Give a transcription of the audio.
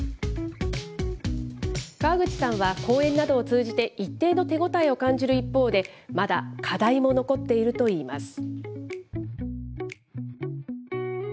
川口さんは講演などを通じて、一定の手応えを感じる一方で、まだ課題も残っているといいます。